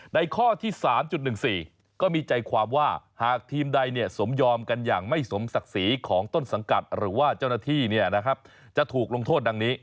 ในข้อที่๓๑๔ก็มีใจความว่าหากทีมใดสมยอมกันอย่างไม่สมศักดิ์ศรีของต้นสังกัดหรือว่าเจ้าหน้าที่จะถูกลงโทษดังนี้